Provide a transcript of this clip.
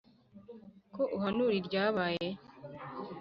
ko uhanura iryabaye